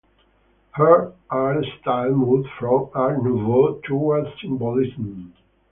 Her art style moved from Art Nouveau towards Symbolism.